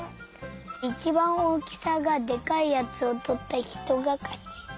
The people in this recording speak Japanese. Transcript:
いちばんおおきさがでかいやつをとったひとがかち。